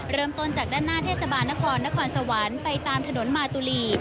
เริ่มต้นจากด้านหน้าเทศบาลนครนครสวรรค์ไปตามถนนมาตุลี